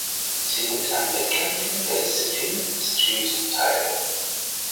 Sie nimmt an Wettkämpfen der Disziplin Street teil.